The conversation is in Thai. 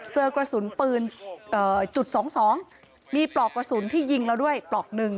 เจอกระสุนปืนจุด๒๒มีปลอกกระสุนที่ยิงเราด้วยปลอกหนึ่ง